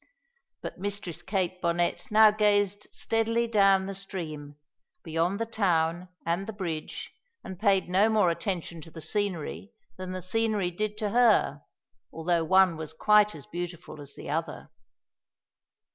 But Mistress Kate Bonnet now gazed steadily down the stream, beyond the town and the bridge, and paid no more attention to the scenery than the scenery did to her, although one was quite as beautiful as the other.